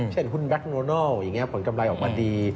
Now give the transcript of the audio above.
เช่นหุ้นแบคโนโนลผลจำไรออกมาดี